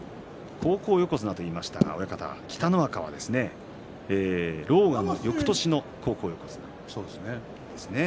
高校横綱と言いましたが北の若、狼雅はよくとしの高校横綱でしたね。